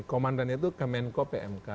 komandannya itu kemenko pmk